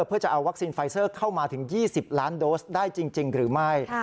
เพื่อจะเอาวัคซีนไฟเซอร์เข้ามาถึง๒๐ล้านโดสได้จริงหรือไม่